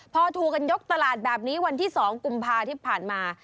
พอถูกกันยกตลาดแบบนี้วันที่๒กุมภาที่ผ่านมา